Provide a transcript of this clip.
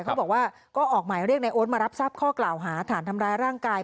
เขาบอกว่าก็ออกหมายเรียกในโอ๊ตมารับทราบข้อกล่าวหาฐานทำร้ายร่างกาย